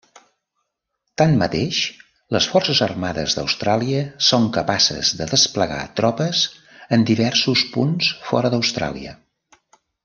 Tanmateix, les Forces Armades d'Austràlia són capaces de desplegar tropes en diversos punts fora d'Austràlia.